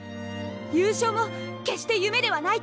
優勝も決して夢ではないと！